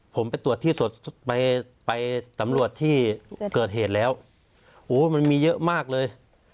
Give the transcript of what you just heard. ผมไปตรวจที่ไปสำรวจที่เกิดเหตุแล้วโอ้มันมีเยอะมากเลย